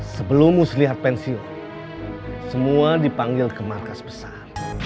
sebelum muslihat pensiun semua dipanggil ke markas besar